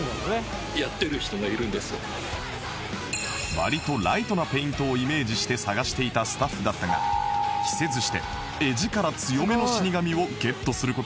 割とライトなペイントをイメージして探していたスタッフだったが期せずして画力強めの死神をゲットする事ができた